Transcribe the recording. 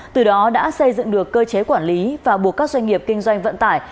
từ đó đã xây dựng được cơ chế quản lý và buộc các doanh nghiệp kinh doanh vận tải